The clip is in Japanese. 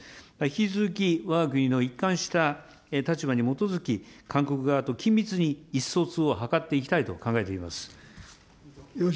引き続き、わが国の一貫した立場に基づき、韓国側と緊密に意思疎通を図っていきたいと考えております。